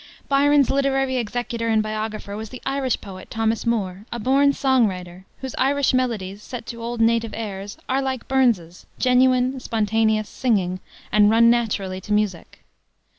Byron's literary executor and biographer was the Irish poet, Thomas Moore, a born song writer, whose Irish Melodies, set to old native airs, are, like Burns's, genuine, spontaneous, singing, and run naturally to music.